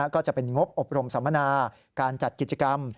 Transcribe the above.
ก็จะเป็นงบอบรมสัมมนาการจัดกิจกรรม